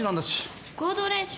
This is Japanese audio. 合同練習？